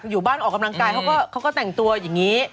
อยู่บ้านออกกำลังกายเขาก็แต่งตัวอย่างนี้